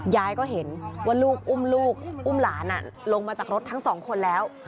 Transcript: ยายก็เห็นว่าลูกอุ้มลูกอุ้มหลานลงมาจากรถทั้งสองคนแล้ว